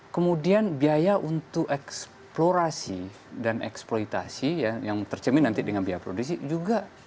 kemudian biaya untuk eksplorasi dan eksploitasi yang tercemin nanti dengan biaya produksi juga